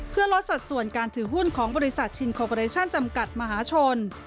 เพื่อลดสัดส่วนการถือหุ้นของบริษัทชินโคปอเรชั่นจำกัดมหาชน